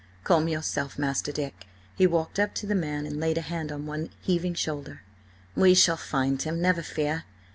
Calm yourself, Master Dick!" He walked up to the man and laid a hand on one heaving shoulder. "We shall find him, never fear!